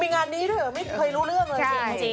มีงานนี้ด้วยหรอไม่เคยรู้เรื่องเลย